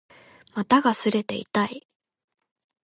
股が擦れて痛い